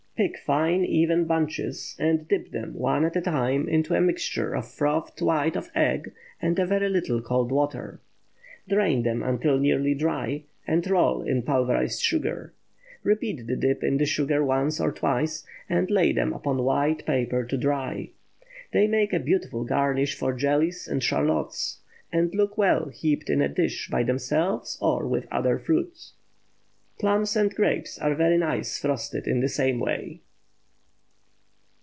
Pick fine even bunches, and dip them, one at a time, into a mixture of frothed white of egg, and a very little cold water. Drain them until nearly dry, and roll in pulverized sugar. Repeat the dip in the sugar once or twice, and lay them upon white paper to dry. They make a beautiful garnish for jellies or charlottes, and look well heaped in a dish by themselves or with other fruit. Plums and grapes are very nice frosted in the same way.